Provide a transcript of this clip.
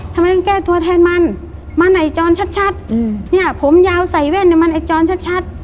ทำไมต้องแก้ตัวแทนมันมาไหนจรชัดชัดอืมเนี่ยผมยาวใส่แว่นเนี่ยมันไอ้จรชัดชัด